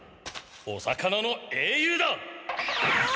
お魚の英雄だ！